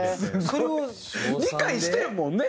それを理解してるもんね。